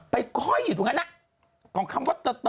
ไปค่อยอยู่ตรงนั้นของคำว่าเตอร์เตอร์